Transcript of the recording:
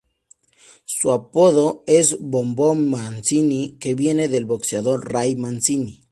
Su apodo es "Boom Boom Mancini", que viene del boxeador Ray Mancini.